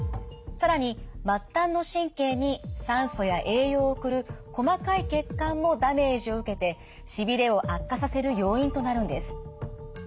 更に末端の神経に酸素や栄養を送る細かい血管もダメージを受けてしびれを悪化させる要因となるんです。